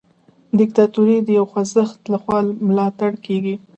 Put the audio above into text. دیکتاتوري د یو خوځښت لخوا ملاتړ کیږي.